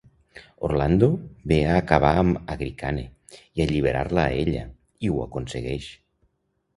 Orlando ve a acabar amb Agricane i alliberar-la a ella, i ho aconsegueix.